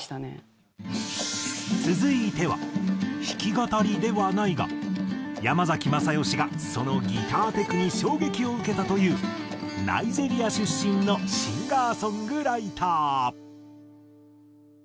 続いては弾き語りではないが山崎まさよしがそのギターテクに衝撃を受けたというナイジェリア出身のシンガーソングライター。